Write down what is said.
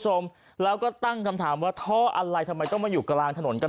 คุณผู้ชมแล้วก็ตั้งคำถามว่าท่ออะไรทำไมต้องมาอยู่กลางถนนกัน